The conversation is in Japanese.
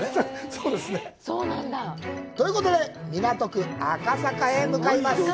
そうですね。ということで、港区赤坂へ向かいます。